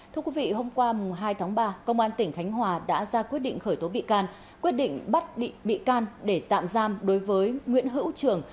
thưa quý vị hôm qua hai tháng ba công an tỉnh khánh hòa đã ra quyết định khởi tố bị can quyết định bắt bị can để tạm giam đối với nguyễn hữu trường